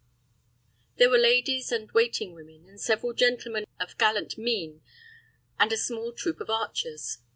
There were ladies and waiting women, and several gentlemen of gallant mien, and a small troop of archers.